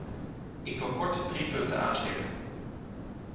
Ik wil kort drie punten aanstippen.